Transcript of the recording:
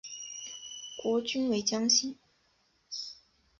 国君为姜姓。